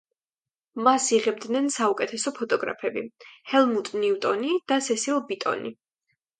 მას იღებდნენ საუკეთესო ფოტოგრაფები: ჰელმუტ ნიუტონი და სესილ ბიტონი.